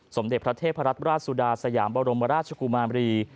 สมเด็จพระเทพรัตนราชสุดาสยามบรมราชกุมารี